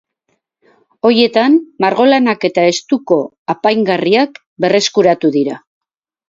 Horietan margolanak eta estuko apaingarriak berreskuratu dira.